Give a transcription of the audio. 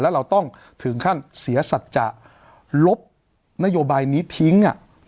แล้วเราต้องถึงขั้นเสียสัจจะลบนโยบายนี้ทิ้ง